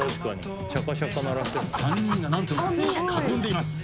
３人が何と囲んでいます。